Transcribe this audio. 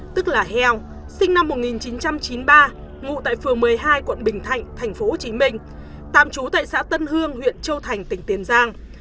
tức là heo sinh năm một nghìn chín trăm chín mươi ba ngụ tại phường một mươi hai quận bình thạnh tp hcm tạm trú tại xã tân hương huyện châu thành tỉnh tiền giang